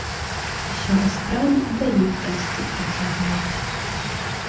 Усё раскралі, і далей красці працягваюць.